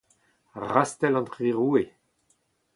rastell an tri roue